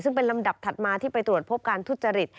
ซึ่งเป็นลำดับถัดมาที่ไปตรวจพบการทุจริต